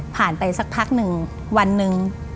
ไปสักพักหนึ่งวันหนึ่ง